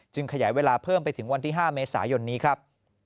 ขยายเวลาเพิ่มไปถึงวันที่๕เมษายนนี้ครับ